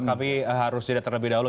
tapi harus didatang lebih dahulu